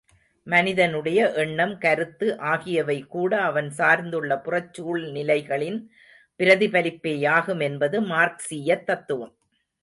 மனிதனுடைய எண்ணம், கருத்து ஆகியவை கூட அவன் சார்ந்துள்ள புறச் சூழ்நிலைகளின் பிரதிபலிப்பேயாகும் என்பது மார்க்சீயத் தத்துவம்.